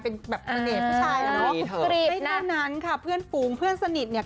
เป็นเนตผู้ชายนะไม่เท่านั้นค่ะเพื่อนฟูงเพื่อนสนิทเนี่ย